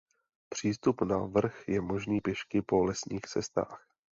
Přístup na vrch je možný pěšky po lesních cestách.